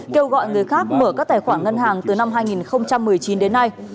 kêu gọi người khác mở các tài khoản ngân hàng từ năm hai nghìn một mươi chín đến nay